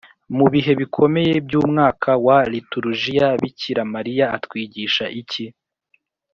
mu bihe bikomeye by’umwaka wa liturjiya bikira mariya atwigisha iki